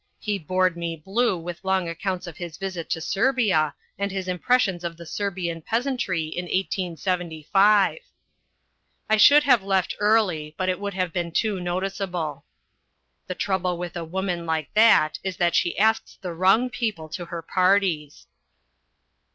He bored me blue with long accounts of his visit to Serbia and his impressions of the Serbian peasantry in 1875. I should have left early, but it would have been too noticeable. The trouble with a woman like that is that she asks the wrong people to her parties.